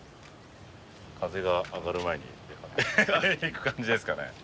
風があがる前に行く感じですかね？